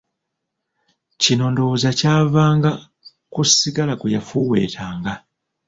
Kino ndowooza kyavanga ku ssigala gwe yafuweetanga.